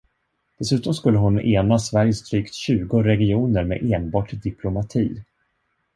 Dessutom skulle hon ena Sveriges drygt tjugo regioner med enbart diplomati.